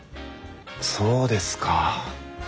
そうですか。